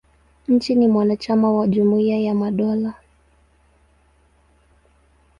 Nchi ni mwanachama wa Jumuia ya Madola.